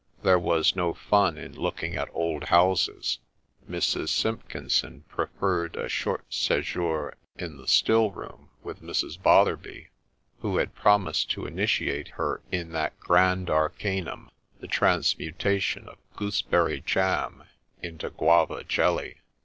' There was " no fun " in looking at old houses !' Mrs. Simpkinson preferred a short sejour in the still room with Mrs. Botherby, who had promised to initiate her in that grand arcanum, the transmutation of gooseberry jam into Guava jelly.